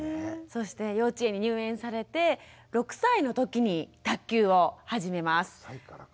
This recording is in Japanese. そして幼稚園に入園されて６歳の時に卓球を始めます。